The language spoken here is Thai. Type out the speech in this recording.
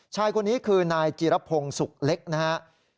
ชายคนนี้คือนายจิระพงศ์สุกเล็กนะฮะ